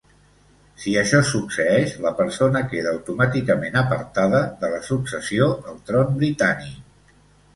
Si això succeeix, la persona queda automàticament apartada de la successió al tron britànic.